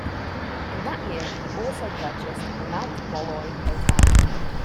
In that year he also purchased the Mount Molloy Hotel.